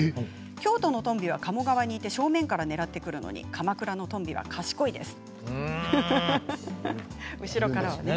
京都のコンビは鴨川にいて正面から狙ってくるので鎌倉のとんびは賢いです。